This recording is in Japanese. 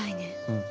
うん。